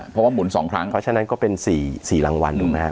เพราะว่าหมุน๒ครั้งเพราะฉะนั้นก็เป็น๔รางวัลถูกไหมครับ